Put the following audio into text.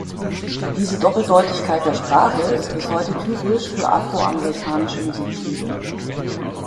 Diese Doppeldeutigkeit der Sprache ist bis heute typisch für afroamerikanische Musikstile.